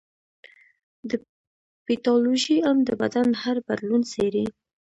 د پیتالوژي علم د بدن هر بدلون څېړي.